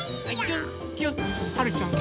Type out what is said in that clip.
はるちゃん。